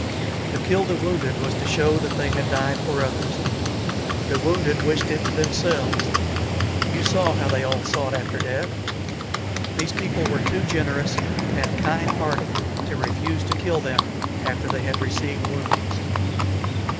To kill the wounded was to show that they had died for others. The wounded wished it themselves. You saw how they all sought after death. These people were too generous and kind hearted to refuse to kill them after they had received wounds."